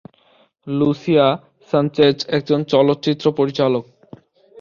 Lucia Sanchez একজন চলচ্চিত্র পরিচালক।